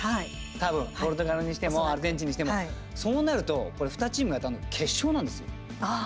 多分、ポルトガルにしてもアルゼンチンにしても。そうなると、これ２チームが当たるの、決勝なんですよ。